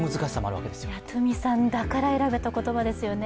トゥミさんだから選べた言葉ですよね